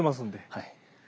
はい。